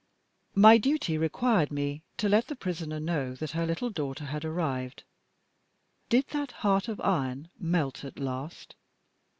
My duty required me to let the Prisoner know that her little daughter had arrived. Did that heart of iron melt at last?